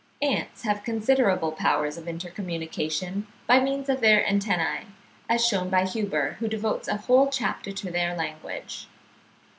Ants have considerable powers of intercommunication by means of their antennae, as shewn by Huber, who devotes a whole chapter to their language.